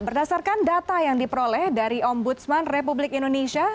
berdasarkan data yang diperoleh dari ombudsman republik indonesia